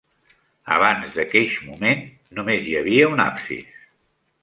Abans d'aqueix moment, només hi havia un absis.